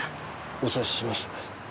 お察しします。